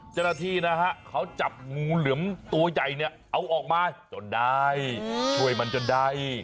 เจ้าหน้าที่นะฮะเขาจับงูเหลือมตัวใหญ่เนี่ยเอาออกมาจนได้ช่วยมันจนได้